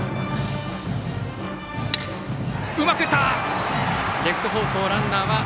うまく打った！